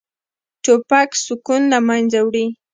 توپک سکون له منځه وړي.